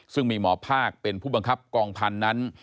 ซึ่งมีหมอภาคเป็นผู้บังคับกองพันธุ์นั้น